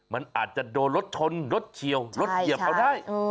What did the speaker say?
มันอาจจะโดนรถชนรถเฉียวรถเหยียบเอาได้